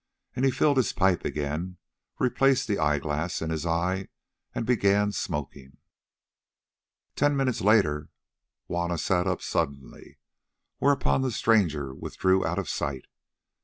And he filled his pipe again, replaced the eyeglass in his eye, and began smoking. Ten minutes later Juanna sat up suddenly, whereupon the stranger withdrew out of sight.